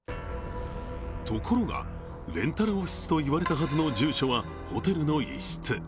ところが、レンタルオフィスと言われたはずの住所はホテルの一室。